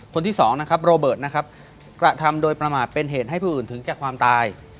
คนที่สองนะครับโรเบิร์ตนะครับกระทำโดยประมาทเป็นเหตุให้ผู้อื่นถึงแก่ความตาย